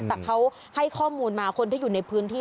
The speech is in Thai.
แต่เขาให้ข้อมูลมาคนที่อยู่ในพื้นที่